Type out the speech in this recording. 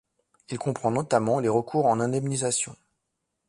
Il comprend notamment les recours en indemnisation.